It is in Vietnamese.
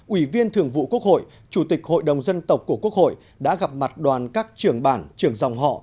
ủy viên thường vụ quốc hội chủ tịch hội đồng dân tộc của quốc hội đã gặp mặt đoàn các trưởng bản trưởng dòng họ